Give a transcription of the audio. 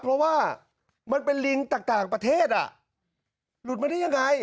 เพราะว่ามันเป็นลิงต่างประเทศหลุดมาได้ยังไง